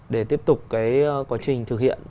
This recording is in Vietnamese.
để tiếp tục cái quá trình thực hiện